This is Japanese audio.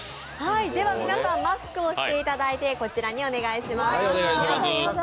皆さん、マスクをしていただいてこちらにお願いします。